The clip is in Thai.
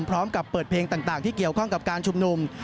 พร้อมกับเปิดเพลงต่างที่เกี่ยวข้องกับการชุมนุม